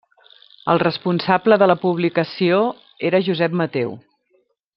El responsable de la publicació era Josep Mateu.